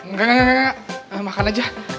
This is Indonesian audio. enggak enggak enggak makan aja